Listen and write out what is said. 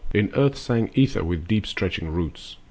In Earth sank Ether with deep stretching roots.